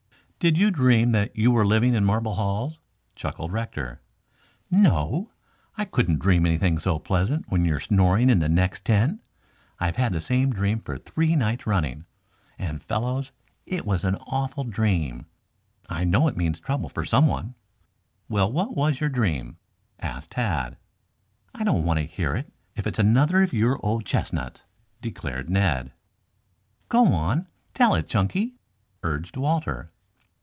"Did you dream that you were living in marble halls?" chuckled Rector. "No, I couldn't dream anything so pleasant when you were snoring in the next tent. I've had the same dream for three nights running. And, fellows, it was an awful dream. I know it means trouble for someone." "Well, what was your dream?" asked Tad. "I don't want to hear it if it is another of your old chestnuts," declared Ned. "Go on, tell it, Chunky," urged Walter.